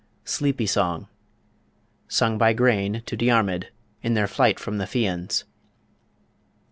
SLEEPY SONG. (Sung by Grainne to Diarmid in their Flight from the Fians.)